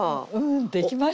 できましたね。